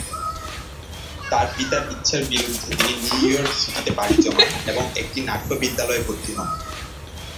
তার পিতার ইচ্ছার বিরুদ্ধে তিনি নিউ ইয়র্ক সিটিতে পাড়ি জমান এবং একটি নাট্য বিদ্যালয়ে ভর্তি হন।